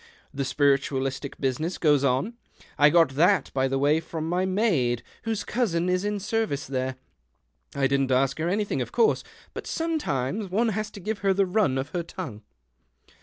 The spiritualistic business goes on. I got that, by the way, from my maid, whose cousin is in service there. I didn't ask her anything, of course, but some times one has to give her the run of her tongue."